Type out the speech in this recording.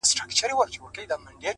• په تعویذ کي یو عجب خط وو لیکلی ,